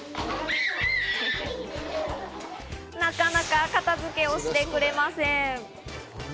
なかなか片付けをしてくれません。